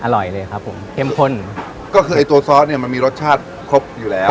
อร่อยเลยครับผมเข้มข้นก็คือไอ้ตัวซอสเนี้ยมันมีรสชาติครบอยู่แล้ว